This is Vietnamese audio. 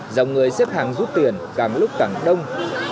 dòng người xếp hàng rút tiền càng lúc càng đông